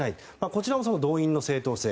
こちらも動員の正当性。